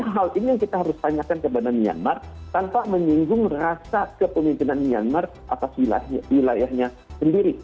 hal ini yang kita harus tanyakan kepada myanmar tanpa menyinggung rasa kepemimpinan myanmar atas wilayahnya sendiri